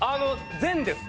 「全」ですね。